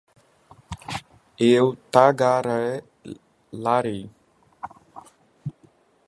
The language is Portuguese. eu tagarelarei